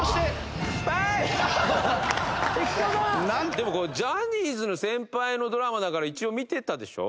でもジャニーズの先輩のドラマだから一応見てたでしょ？